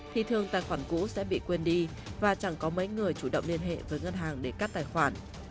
thì thường tài khoản cũ sẽ bị quên đi và chẳng có mấy người chủ động liên hệ với ngân hàng để cắt tài khoản